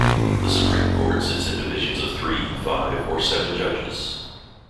The Supreme Court sits in divisions of three, five or seven judges.